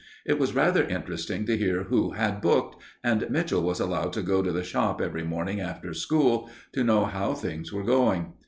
It was rather interesting to hear who had booked, and Mitchell was allowed to go to the shop every morning after school to know how things were going.